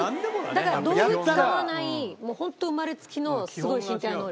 だから道具使わないもうホント生まれつきのすごい身体能力。